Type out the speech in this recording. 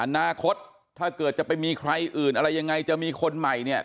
อนาคตถ้าเกิดจะไปมีใครอื่นอะไรยังไงจะมีคนใหม่เนี่ย